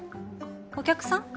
お客さん？